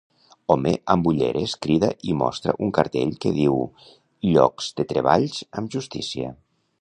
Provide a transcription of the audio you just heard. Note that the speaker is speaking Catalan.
Home amb ulleres crida i mostra un cartell que diu "LLOCS DE TREBALLS AMB JUSTÍCIA".